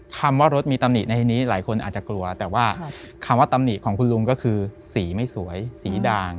คำว่ารถมีตำหนิในทีนี้หลายคนอาจจะกลัวแต่ว่าคำว่าตำหนิของคุณลุงก็คือสีไม่สวยสีดาง